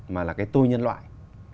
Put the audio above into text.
mà là cái tôi nhân loại